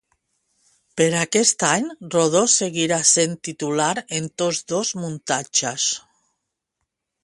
Per aquest any, Rodó seguiria sent titular en tots dos muntatges.